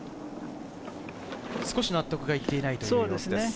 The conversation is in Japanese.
少し納得がいっていない。